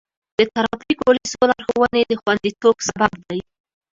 د ټرافیک پولیسو لارښوونې د خوندیتوب سبب دی.